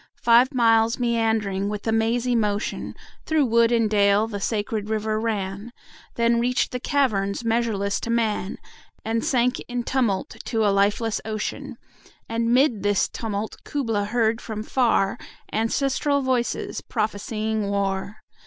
Five miles meandering with a mazy motion 25 Through wood and dale the sacred river ran, Then reach'd the caverns measureless to man, And sank in tumult to a lifeless ocean: And 'mid this tumult Kubla heard from far Ancestral voices prophesying war!